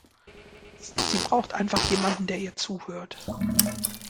Sie braucht einfach jemanden, der ihr zuhört.